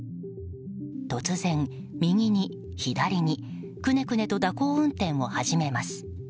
突然、右に左にくねくねと蛇行運転を始めます。